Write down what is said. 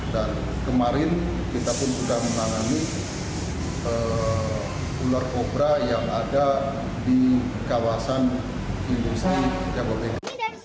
dan kemarin kita pun sudah menangani ular kobra yang ada di kawasan industri jawa tengah